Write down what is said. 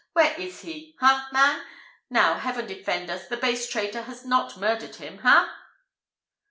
Where is he? ha, man? Now, heaven defend us! the base traitor has not murdered him! ha?"